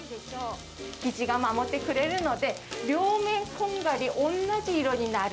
生地が守ってくれるので、両面、こんがり、同じ色になる。